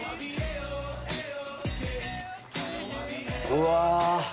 うわ！